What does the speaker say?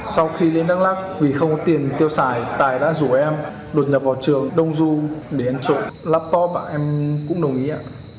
sau khi lên đắk lắc vì không có tiền tiêu xài tài đã rủ em đột nhập vào trường đông du để ăn trộm laptop và em cũng đồng ý ạ